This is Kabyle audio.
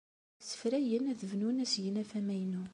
La ssefrayen ad bnun asegnaf amaynu.